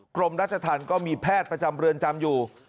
กรมราชธรรมก็มีแพทย์ประจำเรือนจำอยู่